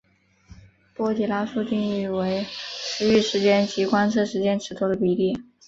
底波拉数定义为驰豫时间及观测时间尺度的比值。